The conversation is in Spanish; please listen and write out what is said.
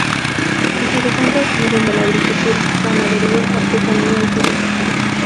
Sus habitantes viven de la agricultura, ganadería, artesanía y turismo.